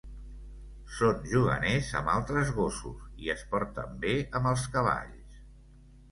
Són juganers amb altres gossos i es porten bé amb els cavalls.